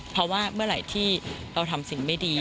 เพราะว่าเมื่อไหร่ที่เราทำสิ่งไม่ดี